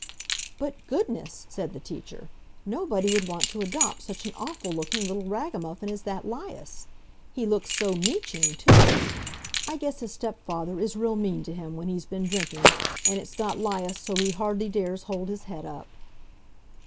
"But goodness!" said the teacher. "Nobody would want to adopt such an awful looking little ragamuffin as that 'Lias. He looks so meeching, too. I guess his stepfather is real mean to him, when he's been drinking, and it's got 'Lias so he hardly dares hold his head up."